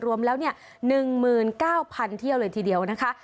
รวมแล้วเนี้ยหนึ่งหมื่นเก้าพันที่อยู่เลยทีเดียวนะคะ